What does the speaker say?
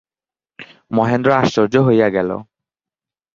মহেন্দ্র আশ্চর্য হইয়া গেল।